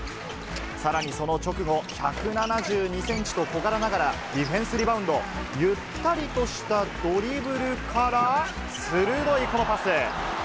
さらにその直後、１７２センチと小柄ながら、ディフェンスリバウンド、ゆったりとしたドリブルから、鋭いこのパス。